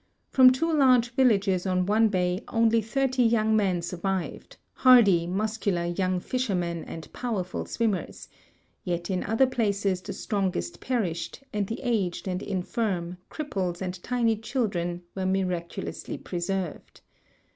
From two large villages on one hay only thirty 3'oung men survived, hard^' , muscular young fishermen and powerful swimmers, yet in other places the strong est perished, and the aged and infirm, crij)ples, and tin}^ children were miraculousU'^ ])reserved.